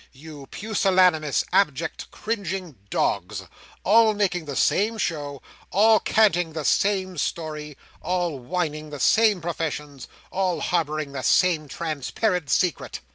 You pusillanimous, abject, cringing dogs! All making the same show, all canting the same story, all whining the same professions, all harbouring the same transparent secret."